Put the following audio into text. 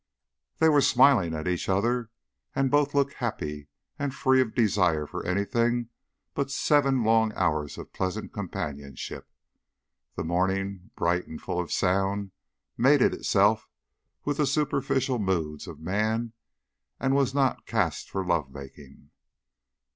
They were smiling at each other, and both looked happy and free of desire for anything but seven long hours of pleasant companionship. The morning, bright and full of sound, mated itself with the superficial moods of man, and was not cast for love making.